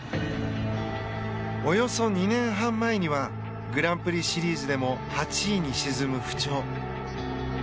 およそ２年半前にはグランプリシリーズでも８位に沈む不調。